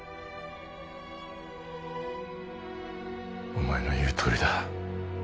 お前の言うとおりだ